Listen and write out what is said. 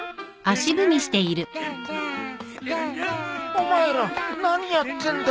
お前ら何やってんだ？